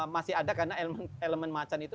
masih ada karena elemen macan itu